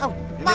ini pak moklis